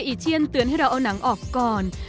เย้ออีเชียร์เตือนให้เราเอานังออกก่อน